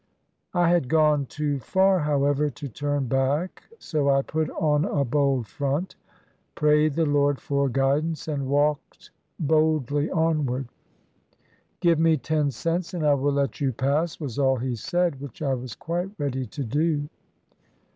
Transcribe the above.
I had gone too far, however, to turn back, so I put on a bold front, prayed the Lord for guid ance, and walked boldly onward. "Give me ten cents, and I will let you pass," was all he said, which I was quite ready to do.